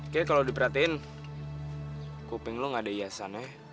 kayaknya kalau diperhatiin kuping lo gak ada hiasannya